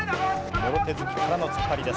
もろ手突きからの突っ張りです。